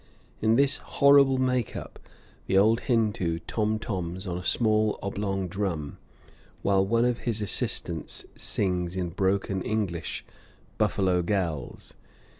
In this horrible make up the old Hindoo tom toms on a small oblong drum, while one of his assistants sings in broken English "Buffalo Gals."